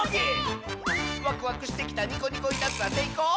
「ワクワクしてきたニコニコいたずら」「せいこう？